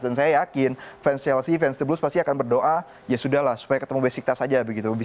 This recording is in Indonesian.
dan saya yakin fans chelsea fans the blues pasti akan berdoa ya sudah lah supaya ketemu besiktas saja